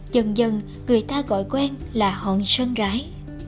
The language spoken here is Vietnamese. dần dần người ta gọi quen là hòn sơn gái